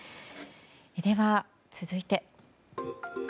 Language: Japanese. では、続いて。